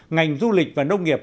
ngành du lịch và nông nghiệp